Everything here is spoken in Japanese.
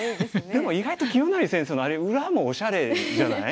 でも意外と清成先生のあれ裏もおしゃれじゃない？